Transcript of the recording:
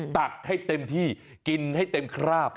ตักให้เต็มที่กินให้เต็มคราบ